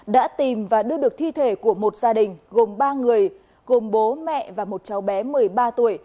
đã tìm và đưa được thi thể của một gia đình gồm ba người gồm bố mẹ và một cháu bé một mươi ba tuổi